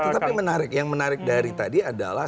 tetapi yang menarik dari tadi adalah